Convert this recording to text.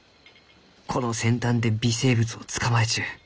この先端で微生物を捕まえちゅう。